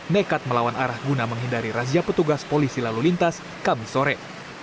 nekat melawan arah guna menghindari razia petugas polisi lalu lintas kamisore